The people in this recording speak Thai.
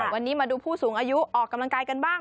วันนี้มาดูผู้สูงอายุออกกำลังกายกันบ้าง